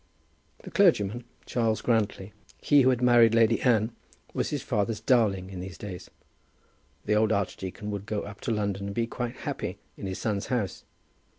The clergyman, Charles Grantly, he who had married the Lady Anne, was his father's darling in these days. The old archdeacon would go up to London and be quite happy in his son's house.